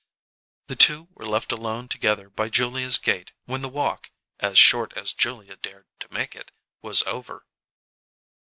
... The two were left alone together by Julia's gate when the walk (as short as Julia dared to make it) was over.